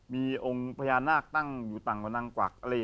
มีองค์พญานาคตั้งอยู่ต่างกว่านางกวัก